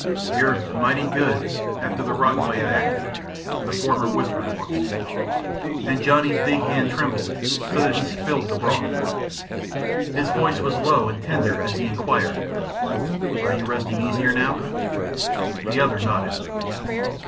"You're mighty good after the rotten way I acted," the former whispered once. And Johnny's big hand trembled so that he spilled the broth. His voice was low and tender as he inquired, "Are you resting easier now?" The other nodded.